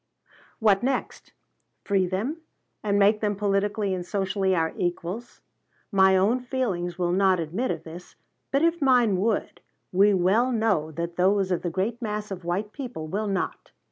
What next? Free them, and make them politically and socially our equals? My own feelings will not admit of this; and if mine would, we well know that those of the great mass of white people will not.